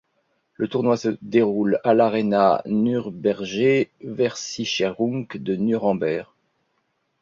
Le tournoi se déroule à l'Arena Nürnberger Versicherung de Nuremberg.